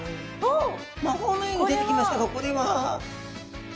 魔法のように出てきましたがこれは？